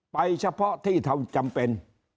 เฉพาะที่เราจำเป็น